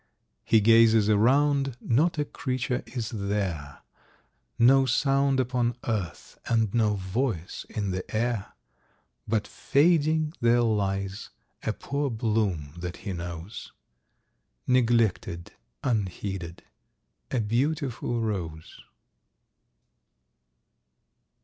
He gazes around, not a creature is there, No sound upon earth, and no voice in the air; But fading there lies a poor bloom that he knows, Neglected, unheeded—a beautiful Rose.